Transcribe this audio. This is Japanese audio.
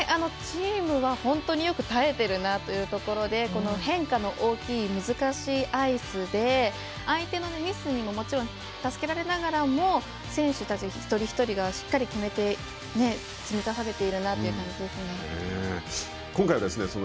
チームは本当によく耐えているなというところでこの変化の大きい難しいアイスで相手のミスにももちろん助けられながらも選手たち一人一人がしっかり決めて積み重ねているなという感じですね。